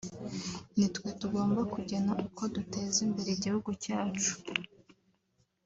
Ni twe tugomba kugena uko duteza imbere igihugu cyacu